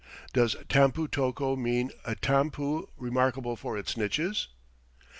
Does Tampu tocco mean a tampu remarkable for its niches?